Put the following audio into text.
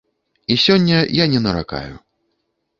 І сёння я не наракаю.